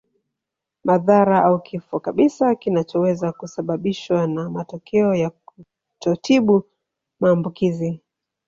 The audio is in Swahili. Madhara au kifo kabisa kinachoweza kusababishwa na matokeo ya kutotibu maambukizi